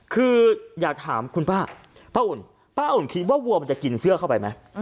คืออยากถามคุณป้าป้าอุ่นป้าอุ่นคิดว่าวัวมันจะกินเสื้อเข้าไปไหม